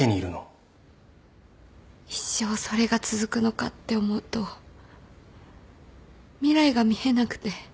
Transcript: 一生それが続くのかって思うと未来が見えなくて。